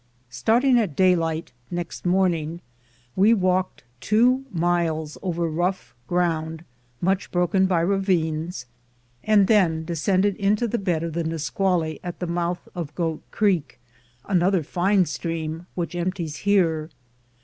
Starting at daylight next morning, we walked two miles over rough ground much broken by ravines, and then descended into the bed of the Nisqually at the mouth of Goat Creek, another fine stream which empties here.